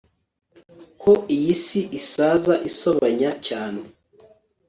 ko iyi si isaza isobanya cyane